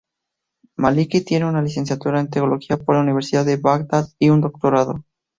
Maliki tiene una licenciatura en Teología por la Universidad de Bagdad y un doctorado.